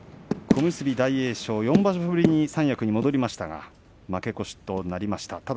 小結大栄翔、４場所ぶりに三役に戻りましたが負け越しとなりました。